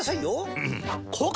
うん！